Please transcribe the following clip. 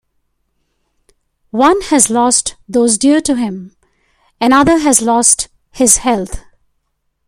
One has lost those dear to him, another has lost his health.